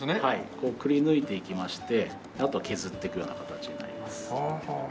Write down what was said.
くりぬいていきましてあとは削っていくような形になります。